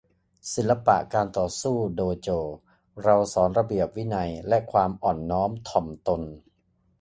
ศิลปะการต่อสู้โดโจ เราสอนระเบียบวินัยและความอ่อนน้อมถ่อมตน